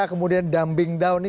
kemudian dumbing down